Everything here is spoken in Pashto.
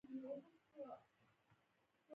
اوبۀ مې وڅښلې